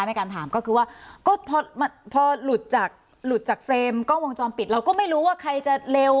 ในการถามก็คือว่าก็พอหลุดจากหลุดจากเฟรมกล้องวงจรปิดเราก็ไม่รู้ว่าใครจะเร็ว